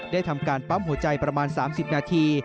ทำการปั๊มหัวใจประมาณ๓๐นาที